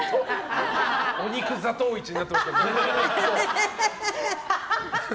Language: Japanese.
お肉座頭市になってますけど。